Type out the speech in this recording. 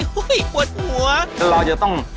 หุ้ยอวดหัว